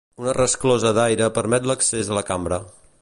Una resclosa d'aire permet l'accés a la cambra.